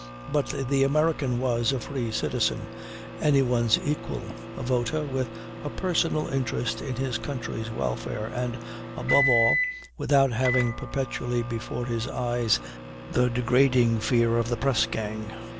But the American was a free citizen, any one's equal, a voter with a personal interest in his country's welfare, and, above all, without having perpetually before his eyes the degrading fear of the press gang.